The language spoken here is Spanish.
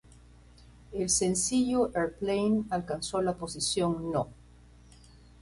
El sencillo "Aeroplane" alcanzó la posición No.